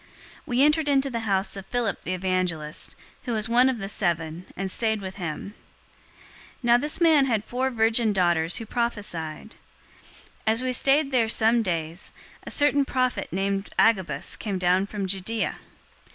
We entered into the house of Philip the evangelist, who was one of the seven, and stayed with him. 021:009 Now this man had four virgin daughters who prophesied. 021:010 As we stayed there some days, a certain prophet named Agabus came down from Judea.